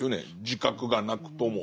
自覚がなくとも。